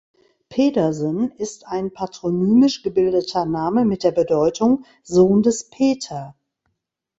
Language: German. Pedersen ist ein patronymisch gebildeter Name mit der Bedeutung "Sohn des Peter".